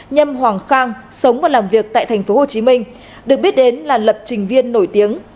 nhâm hoàng khang sống và làm việc tại tp hcm được biết đến là lập trình viên nổi tiếng